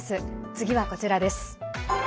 次はこちらです。